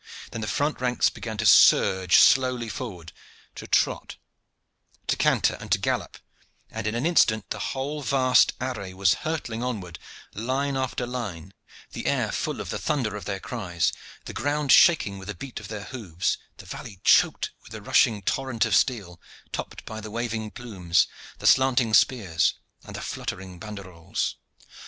Then the front ranks began to surge slowly forward, to trot, to canter, to gallop, and in an instant the whole vast array was hurtling onward, line after line, the air full of the thunder of their cries, the ground shaking with the beat of their hoofs, the valley choked with the rushing torrent of steel, topped by the waving plumes, the slanting spears and the fluttering banderoles.